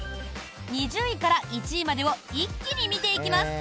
２０位から１位までを一気に見ていきます。